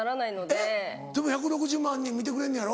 でも１６０万人見てくれんのやろ。